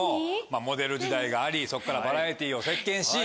モデル時代がありそこからバラエティーを席巻し。